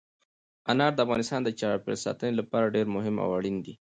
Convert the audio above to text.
انار د افغانستان د چاپیریال ساتنې لپاره ډېر مهم او اړین دي.